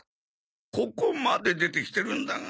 ここまで出てきてるんだが。